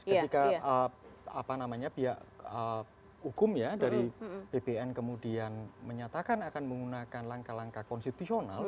ketika pihak hukum ya dari bpn kemudian menyatakan akan menggunakan langkah langkah konstitusional